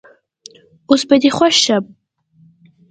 اوس به دي خوښ سم